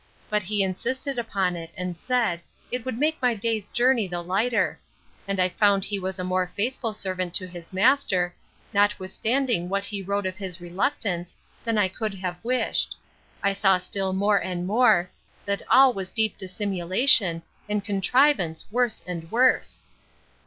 But he insisted upon it, and said, It would make my day's journey the lighter; and I found he was a more faithful servant to his master, notwithstanding what he wrote of his reluctance, than I could have wished: I saw still more and more, that all was deep dissimulation, and contrivance worse and worse.